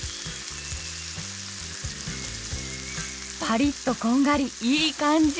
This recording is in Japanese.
パリッとこんがりいい感じ。